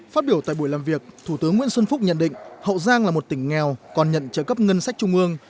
phát biểu tại buổi làm việc thủ tướng nguyễn xuân phúc nhận định hậu giang là một tỉnh nghèo còn nhận trợ cấp ngân sách trung ương